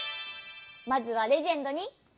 まずはレジェンドに。